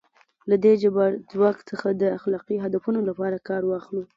له دې جبار ځواک څخه د اخلاقي هدفونو لپاره کار واخلو.